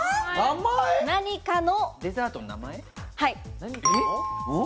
何かの。